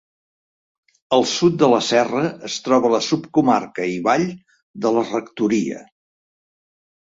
Al sud de la serra es troba la subcomarca i vall de la Rectoria.